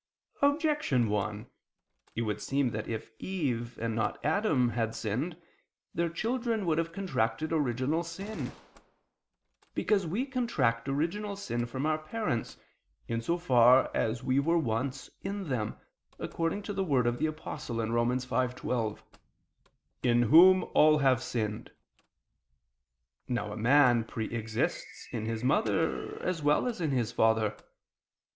Objection 1: It would seem that if Eve, and not Adam, had sinned, their children would have contracted original sin. Because we contract original sin from our parents, in so far as we were once in them, according to the word of the Apostle (Rom. 5:12): "In whom all have sinned." Now a man pre exists in his mother as well as in his father.